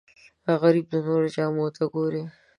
غریب د نورو جامو ته ګوري